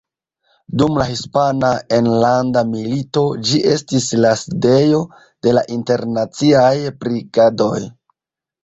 Dum la Hispana Enlanda Milito ĝi estis la sidejo de la Internaciaj Brigadoj.